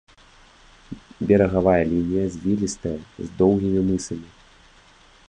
Берагавая лінія звілістая, з доўгімі мысамі.